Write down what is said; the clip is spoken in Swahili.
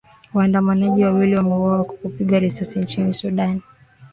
Waandamanaji wawili wameuawa kwa kupigwa risasi nchini Sudan.